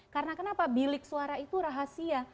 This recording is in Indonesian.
karena kenapa bilik suara itu rahasia